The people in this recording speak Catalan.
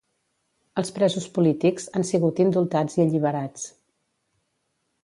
Els presos polítics han sigut indultats i alliberats.